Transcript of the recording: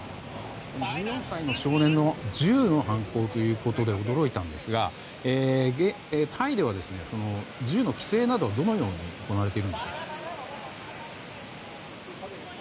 １４歳の少年の銃の犯行ということで驚いたんですがタイでは、銃の規制などどのように行われているんでしょうか。